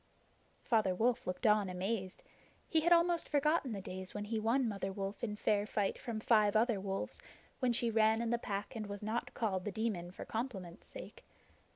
Father Wolf looked on amazed. He had almost forgotten the days when he won Mother Wolf in fair fight from five other wolves, when she ran in the Pack and was not called The Demon for compliment's sake.